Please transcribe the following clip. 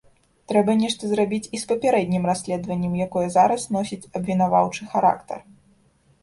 Трэба нешта зрабіць і з папярэднім расследаваннем, якое зараз носіць абвінаваўчы характар.